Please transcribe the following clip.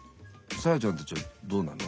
サーヤちゃんたちはどうなの？